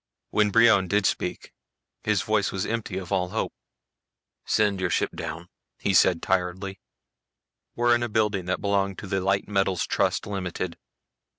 When Brion did speak his voice was empty of all hope. "Send your ship down," he said tiredly. "We're in a building that belonged to the Light Metals Trust, Ltd.